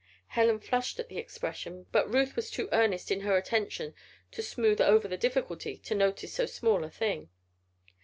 Helen flushed at the expression, but Ruth was too earnest in her intention to smooth over the difficulty to notice so small a thing.